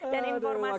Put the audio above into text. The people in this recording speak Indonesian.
dan informasinya kurang